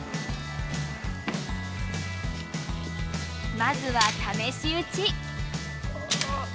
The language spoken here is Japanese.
まずは試し打ち。